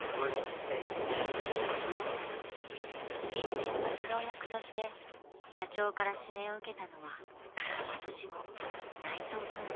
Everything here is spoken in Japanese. ［新人の指導役として社長から指名を受けたのは今年も内藤君］